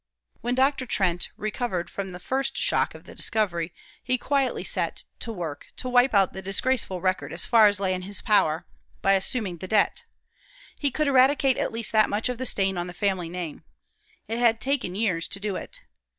When Dr. Trent recovered from the first shock of the discovery, he quietly set to work to wipe out the disgraceful record as far as lay in his power, by assuming the debt. He could eradicate at least that much of the stain on the family name. It had taken years to do it.